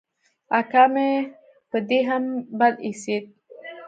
اکا مې په دې هم بد اېسېد.